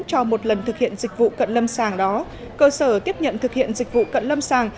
cho một lần thực hiện dịch vụ cận lâm sàng đó cơ sở tiếp nhận thực hiện dịch vụ cận lâm sàng